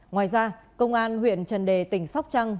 ngoài ra công an huyện trần đề tỉnh sóc trăng